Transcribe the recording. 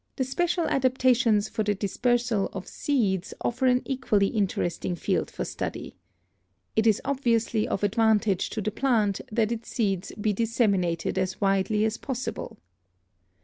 The special adaptations for the dispersal of seeds offer an equally interesting field for study. It is obviously of advantage to the plant that its seeds be disseminated as widely as possible.